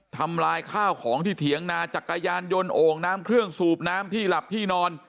ทำลายข้าวของที่เถียงนาจักรยานยนต์โอ่งน้ำเครื่องสูบน้ำที่หลับที่นอน